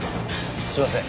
すいません。